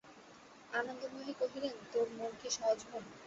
আনন্দময়ী কহিলেন, তোর মন কি সহজ মন!